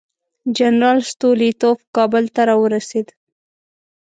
جنرال ستولیتوف کابل ته راورسېد.